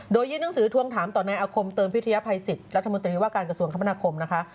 โดยยื่นหนังสือทวงถามต่อในอาคมเติมพิทยาภัยสิทธิ์รัฐมนตรีว่าการกระทรวงคมนาคมนะคะ